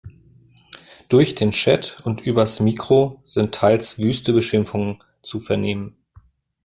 Durch den Chat und übers Mikro sind teils wüste Beschimpfungen zu vernehmen.